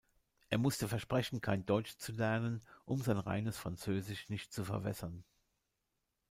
Er musste versprechen, kein Deutsch zu lernen, um sein reines Französisch nicht zu verwässern.